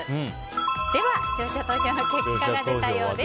では、視聴者投票の結果が出たようです。